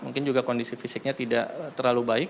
mungkin juga kondisi fisiknya tidak terlalu baik